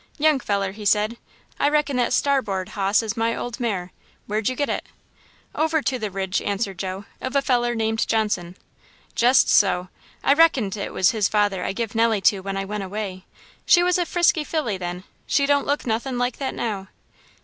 "Young feller," he said, "I reckon that starboard hoss is my old mare. Where'd you get it?" "Over to the Ridge," answered Joe, "of a feller named Johnson." "Jest so I reckon 't was his father I give Nellie to when I went away. She was a frisky filly then she don't look nothin' like that now."